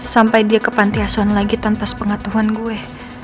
sampai dia ke pantai aswan lagi tanpa sepengatuhan gue